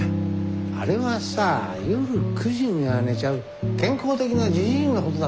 あれはさ夜９時には寝ちゃう健康的なじじいのことだと思うわけ。